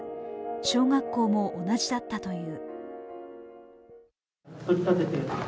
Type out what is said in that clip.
小学校も同じだったという。